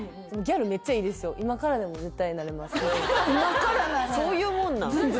今からなれるそういうもんなん？